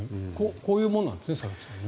こういうものなんですね佐々木さんね。